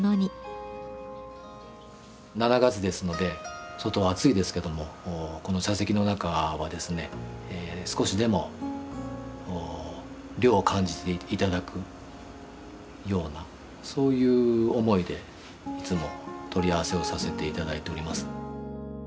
７月ですので外は暑いですけどもこの茶席の中はですね少しでも涼を感じて頂くようなそういう思いでいつも取り合わせをさせて頂いております。